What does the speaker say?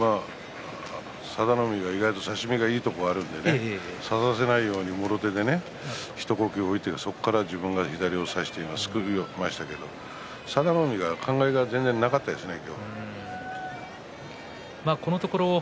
佐田の海が意外に差し身がいいところがあるので差させないように一呼吸置いてそこから自分が左を差してすくいましたけれども佐田の海の方は考えが全然なかったですね